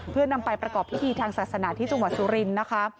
เพื่อนำไปประกอบพิธีทางศาสนาที่จังหวัดสุรินทร์นะคะ